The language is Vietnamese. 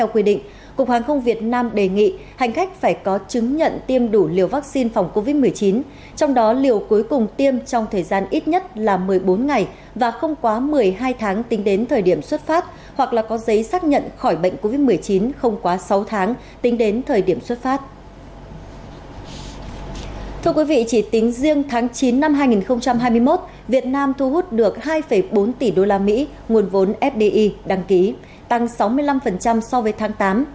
quý vị chỉ tính riêng tháng chín năm hai nghìn hai mươi một việt nam thu hút được hai bốn tỷ usd nguồn vốn fdi đăng ký tăng sáu mươi năm so với tháng tám